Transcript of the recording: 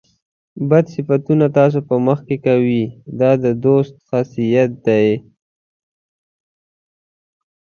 بد صفتونه ستاسو په مخ کې کوي دا د دوست خاصیت دی.